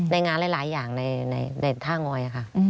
ในงานหลายอย่างในท่างอยค่ะ